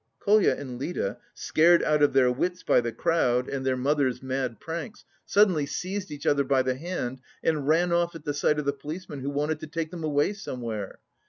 Kolya and Lida, scared out of their wits by the crowd, and their mother's mad pranks, suddenly seized each other by the hand, and ran off at the sight of the policeman who wanted to take them away somewhere.